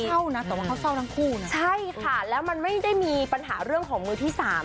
เศร้านะแต่ว่าเขาเศร้าทั้งคู่นะใช่ค่ะแล้วมันไม่ได้มีปัญหาเรื่องของมือที่สาม